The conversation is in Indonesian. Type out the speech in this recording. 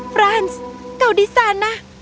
franz kau di sana